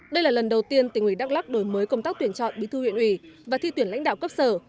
đây là lần đầu tiên tỉnh ủy đắk lắc đổi mới công tác tuyển chọn bí thư huyện ủy và thi tuyển lãnh đạo cấp sở